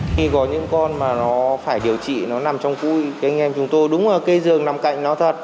khi có những con mà nó phải điều trị nó nằm trong cúi thì anh em chúng tôi đúng là cây rừng nằm cạnh nó thật